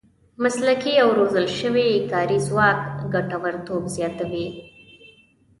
مسلکي او روزل شوی کاري ځواک ګټورتوب زیاتوي.